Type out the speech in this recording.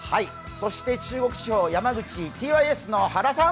そして中国地方山口ｔｙｓの原さん。